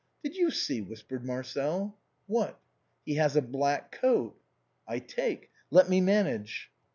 " Did you see ?" whispered Marcel. "What?" " He has a black coat." " I take. Let me manage."